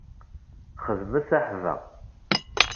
Xedmet aḥba.